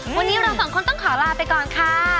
วันนี้เราสองคนต้องขอลาไปก่อนค่ะ